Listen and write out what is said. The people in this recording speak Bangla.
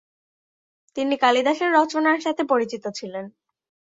তিনি কালিদাসের রচনার সাথে পরিচিত ছিলেন।